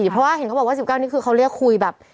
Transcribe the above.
เพราะว่าเห็นเขาบอกว่า๑๙นี่คือเขาเรียกคุยแบบ